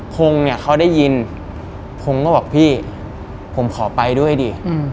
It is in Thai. พงศ์เนี่ยเขาได้ยินพงศ์ก็บอกพี่ผมขอไปด้วยดิ